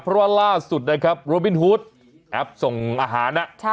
เพราะว่าล่าสุดนะครับโรบินฮูดแอปส่งอาหาร